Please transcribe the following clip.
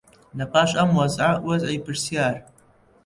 لەپاش ئەم وەزعە وەزعی پرسیار